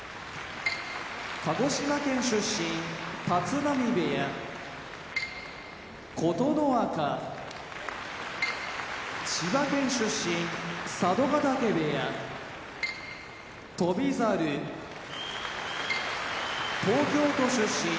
鹿児島県出身立浪部屋琴ノ若千葉県出身佐渡ヶ嶽部屋翔猿東京都出身